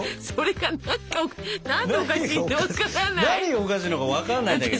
それが何でおかしいのか分からない！